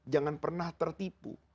jangan pernah tertipu